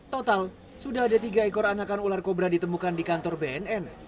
total sudah ada tiga ekor anakan ular kobra ditemukan di kantor bnn